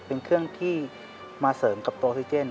เป็นเครื่องที่มาเสริมกับโตซิเจน